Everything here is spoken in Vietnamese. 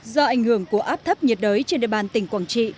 do ảnh hưởng của áp thấp nhiệt đới trên địa bàn tỉnh quảng trị